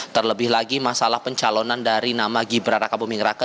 terlebih lagi masalah pencalonan dari nama gibran raka buming raka